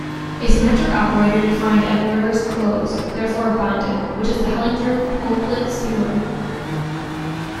A symmetric operator defined everywhere is closed, therefore bounded, which is the Hellinger-Toeplitz theorem.